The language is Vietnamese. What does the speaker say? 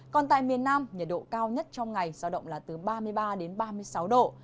còn tại miền nam nhiệt độ cao nhất trong ngày giao động là từ ba mươi ba đến ba mươi sáu độ